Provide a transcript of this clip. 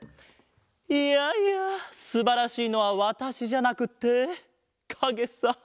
いやいやすばらしいのはわたしじゃなくてかげさ！